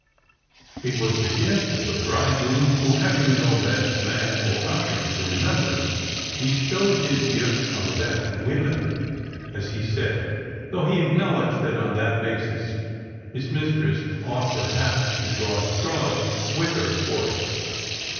It was the gift of the bridegroom, who, having no best man " or ushers to re member, bestowed his gift on the '' best women," as he said, though he acknowledged that on that basis her mis tress ought perhaps to draw straws with her for it.